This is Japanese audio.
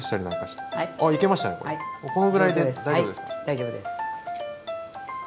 大丈夫です。